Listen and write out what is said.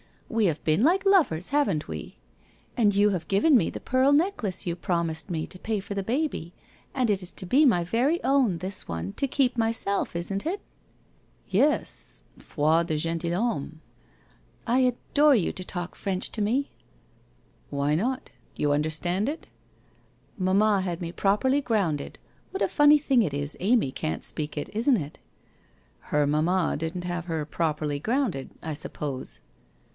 We have been like lovers, haven't we? And you have given me the pearl necklace you promised me, to pay for the baby — and it is to be my very own, this one, to keep myself, isn't it ?'' Yes, foi de gentilhommcS I I adore you to talk French to me/ ' Why not? You understand it? ' 1 Mamma had me properly grounded. What a funny thing it is Amy can't speak it, isn't it? ' 1 Her mamma didn't have her properly grounded, I sup pose.'